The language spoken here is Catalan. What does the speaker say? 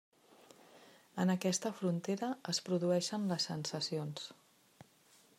En aquesta frontera es produeixen les sensacions.